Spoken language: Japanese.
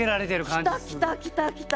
来た来た来た来た！